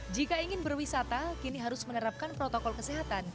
jika ingin berwisata kini harus menerapkan protokol kesehatan